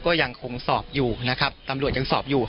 ก็ยังคงสอบอยู่นะครับตำรวจยังสอบอยู่